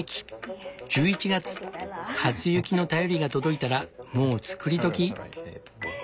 １１月初雪の便りが届いたらもう作り時。